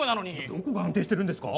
どこが安定してるんですか？